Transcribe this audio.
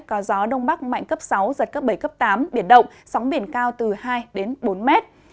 có gió đông bắc mạnh cấp sáu giật cấp bảy cấp tám biển động sóng biển cao từ hai bốn mét